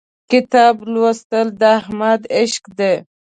کتاب لوستل د احمد عشق دی.